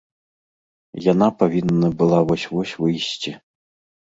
Яна павінна была вось-вось выйсці.